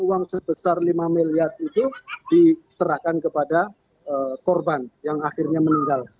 uang sebesar lima miliar itu diserahkan kepada korban yang akhirnya meninggal